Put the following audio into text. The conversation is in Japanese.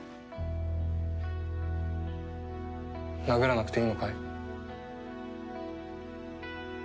殴らなくていいのかい？